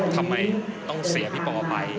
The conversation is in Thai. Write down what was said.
ทำไมต้องเสียพี่ปอไป